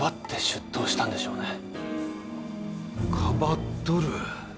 かばっとる。